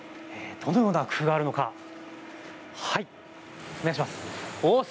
どのような工夫があるのかお願いします。